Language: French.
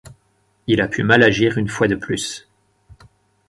Il a pu mal agir une fois de plus.